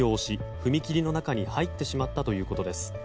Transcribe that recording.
踏切の中に入ってしまったということです。